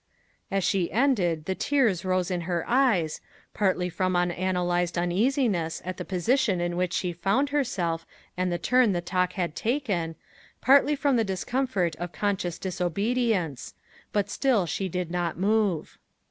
As she ended, the tears rose in her eyes, partly from unanalyzed uneasiness at the position in which she found herself and the turn the talk had taken, partly from the discomfort of conscious disobedience. But still she did not move.